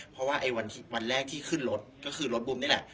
เพราะว่าไอ้วันแรกที่ขึ้นรถก็คือรถบุมนี่แหละ